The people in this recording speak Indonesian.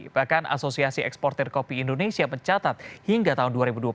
bahkan asosiasi eksportir kopi indonesia mencatat hingga tahun dua ribu dua puluh satu